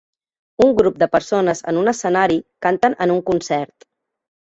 Un grup de persones en un escenari canten en un concert.